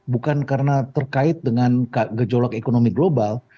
bukan karena terkait dengan gejolak ekonomi global